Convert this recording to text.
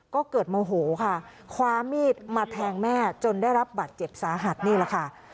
ก็เกิดโมโหค่ะคว้ามีดมาแทงแม่จนได้รับบัตรเจ็บสาหัสนี่แหละค่ะ